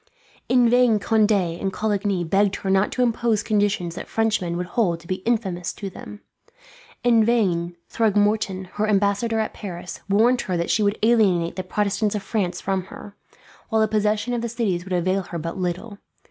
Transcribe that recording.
In vain Conde and Coligny begged her not to impose conditions that Frenchmen would hold to be infamous to them. In vain Throgmorton, her ambassador at Paris, warned her that she would alienate the Protestants of France from her; while the possession of the cities would avail her but little.